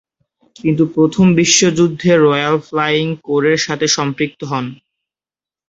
কিন্তু প্রথম বিশ্বযুদ্ধে রয়্যাল ফ্লাইং কোরের সাথে সম্পৃক্ত হন।